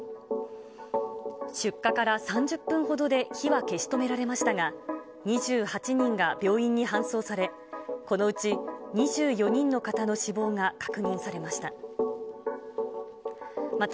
出火から３０分ほどで火は消し止められましたが、２８人が病院に搬送され、このうち２４人の方の死亡が確認されました。